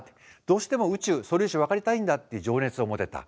どうしても宇宙素粒子を分かりたいんだっていう情熱を持てた。